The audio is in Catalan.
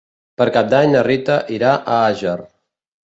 Per Cap d'Any na Rita irà a Àger.